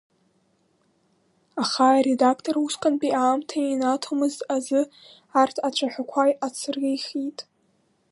Аха аредактор усҟантәи аамҭа инаҭомызт азы арҭ ацәаҳәақәа ацрихит.